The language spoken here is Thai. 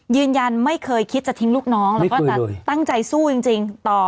ยืนยันไม่เคยคิดจะทิ้งลูกน้องแล้วก็จะตั้งใจสู้จริงต่อ